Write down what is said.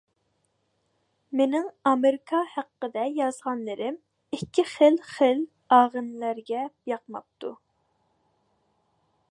مېنىڭ ئامېرىكا ھەققىدە يازغانلىرىم ئىككى خىل خىل ئاغىنىلەرگە ياقماپتۇ.